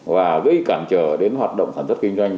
và gây cản trở đến hoạt động sản xuất kinh doanh